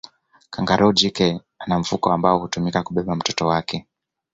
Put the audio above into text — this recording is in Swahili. kangaroo jike ana mfuko ambao hutumika kubebea mtoto wake